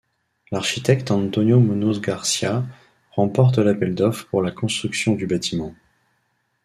L'architecte Antonio Muñoz García remporte l'appel d'offres pour la construction du bâtiment.